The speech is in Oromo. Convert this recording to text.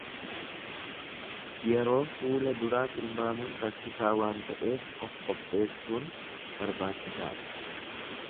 Yeroo fuula duraa tilmaamuun rakkisaa waan ta'eef of qopheesuun barbaachisaadha.